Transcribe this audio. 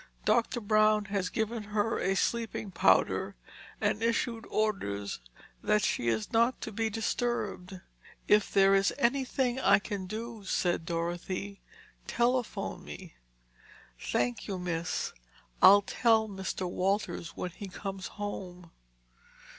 Doctor Brown has given her a sleeping powder and issued orders that she is not to be disturbed." "If there is anything that I can do," said Dorothy, "telephone me." "Thank you, miss. I'll tell Mr. Walters when he comes home."